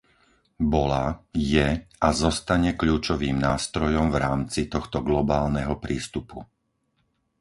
Bola, je a zostane kľúčovým nástrojom v rámci tohto globálneho prístupu.